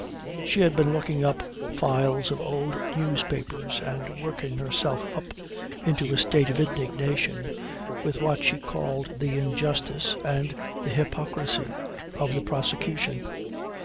She had been looking up files of old newspapers, and working herself up into a state of indignation with what she called the injustice and the hypocrisy of the prosecution.